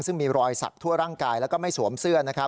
ซึ่งมีรอยสักทั่วร่างกายแล้วก็ไม่สวมเสื้อ